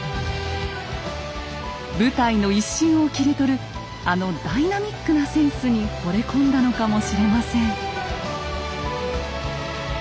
舞台の一瞬を切り取るあのダイナミックなセンスにほれ込んだのかもしれません。